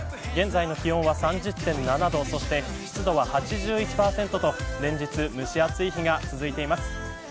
現在の気温は３０．７度湿度は８１％と連日蒸し暑い日が続いています。